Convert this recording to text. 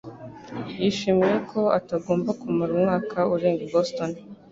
yishimiye ko atagomba kumara umwaka urenga i Boston